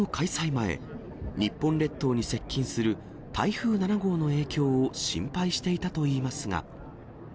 前、日本列島に接近する台風７号の影響を心配していたといいますが。